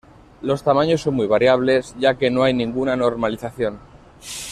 Los tamaños son muy variables, ya que no hay ninguna normalización.